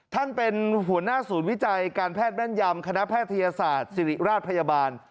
ท่านเป็นหัวหน้าศูนย์วิจัยการแพทย์แม่นยำคณะแพทยศาสตร์ศิริราชพยาบาล